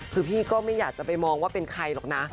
คือพี่ก็ไม่อยากจะไปมองว่าเป็นใครหรอกนะ